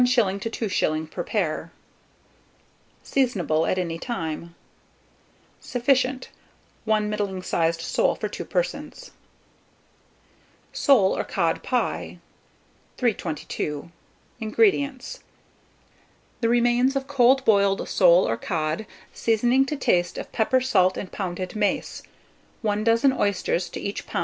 to 2s. per pair. Seasonable at any time. Sufficient, 1 middling sized sole for 2 persons. SOLE OR COD PIE. 322. INGREDIENTS. The remains of cold boiled sole or cod, seasoning to taste of pepper, salt, and pounded mace, 1 dozen oysters to each lb.